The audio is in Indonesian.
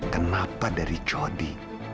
kenapa dari jody